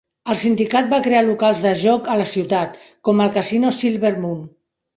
El sindicat va crear locals de joc a la ciutat, com el casino Silver Moon.